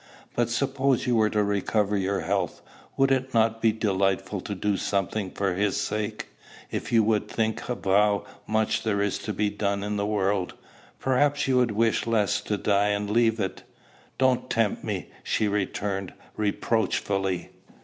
"But suppose you were to recover your health: would it not be delightful to do something for his sake? If you would think of how much there is to be done in the world, perhaps you would wish less to die and leave it." "Do not tempt me," she returned reproachfully.